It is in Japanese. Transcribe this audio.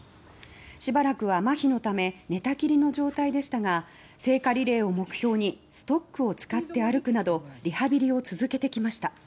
しばらくは麻痺のため寝たきりの状態でしたが聖火リレーを目標にストックを使って歩くなどリハビリを続けてきました。